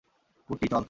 কুট্টি, চল!